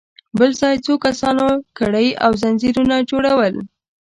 بل ځای څو کسانو کړۍ او ځنځيرونه جوړل.